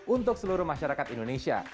untuk seluruh masyarakat indonesia